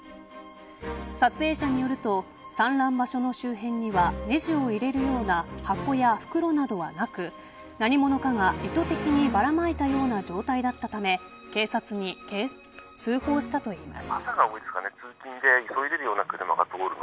撮影者によると散乱場所の周辺にはネジを入れるような箱や袋などはなく何者かが意図的にばらまいたような状態だったため警察に通報したといいます。